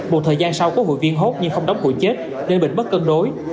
một thời gian sau có hủy viên hốt nhưng không đóng hủy chết nên bình bất cân đối